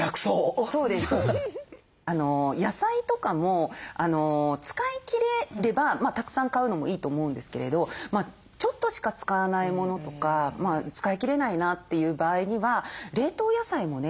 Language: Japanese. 野菜とかも使いきれればたくさん買うのもいいと思うんですけれどちょっとしか使わないものとか使いきれないなという場合には冷凍野菜もね